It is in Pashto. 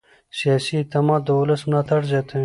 سیاسي اعتماد د ولس ملاتړ زیاتوي